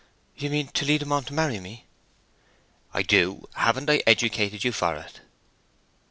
"You mean, to lead him on to marry me?" "I do. Haven't I educated you for it?"